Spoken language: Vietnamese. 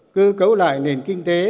cư cấu lại nền kinh tế